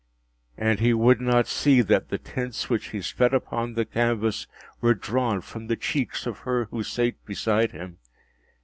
And he would not see that the tints which he spread upon the canvas were drawn from the cheeks of her who sate beside him.